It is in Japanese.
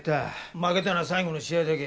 負けたら最後の試合だけ。